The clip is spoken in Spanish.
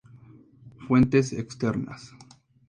Fuentes externas